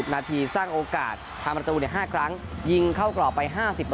นาทีสร้างโอกาสทำประตู๕ครั้งยิงเข้ากรอบไป๕๐